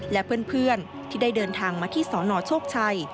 และเพื่อนที่ได้เดินทางมาที่สนโชคชัย